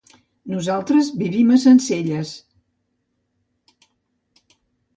Nosaltres vivim a Sencelles.